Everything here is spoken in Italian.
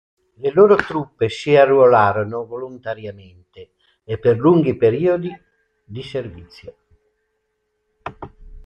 Le loro truppe si arruolarono volontariamente e per lunghi periodi di servizio.